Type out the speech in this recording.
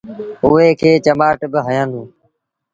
اُئي کي چمآٽ با هيآندونٚ۔